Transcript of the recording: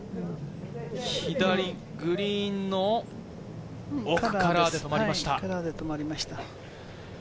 左グリーンの奥、カラーで止まりました。